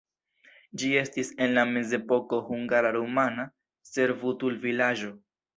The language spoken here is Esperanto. Ĝi estis en la mezepoko hungara-rumana servutulvilaĝo.